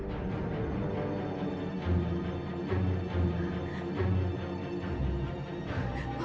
halo bella kesini sekarang mama bella kamu kesini sekarang